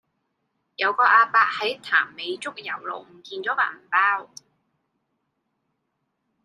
有個亞伯喺潭尾竹攸路唔見左個銀包